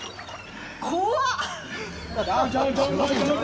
怖っ！